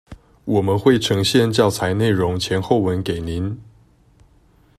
我們會呈現教材內容前後文給您